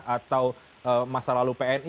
atau masa lalu pni